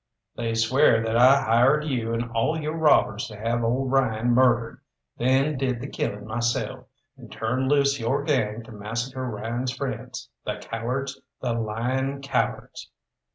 They swear that I hired you and all your robbers to have old Ryan murdered, then did the killing myself, and turned loose your gang to massacre Ryan's friends the cowards, the lying cowards!"